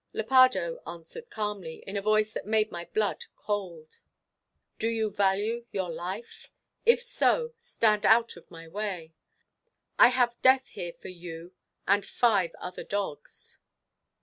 Lepardo answered calmly, in a voice that made my blood cold: "Do you value your life? If so, stand out of my way. I have death here for you, and five other dogs."